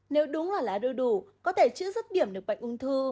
nếu đúng là lá đu đủ có thể chữa rất điểm được bệnh ung thư